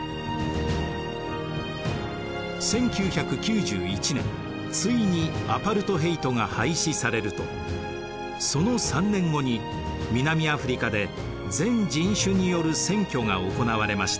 １９９１年ついにアパルトヘイトが廃止されるとその３年後に南アフリカで全人種による選挙が行われました。